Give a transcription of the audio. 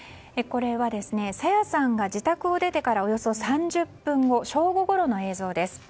これは朝芽さんが自宅を出てからおよそ３０分後正午ごろの映像です。